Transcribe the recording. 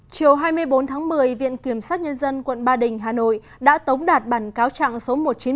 chiều hai mươi bốn tháng một mươi viện kiểm sát nhân dân quận ba đình hà nội đã tống đạt bản cáo trạng số một trăm chín mươi